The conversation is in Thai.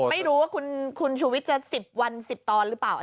ไม่รู้ว่าคุณชุวิตจะสิบวันสิบตอนหรือเปล่า